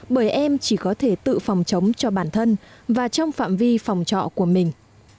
bởi em chỉ có thể tự phòng chống cho bản thân và trong phạm vi phòng trọ của mình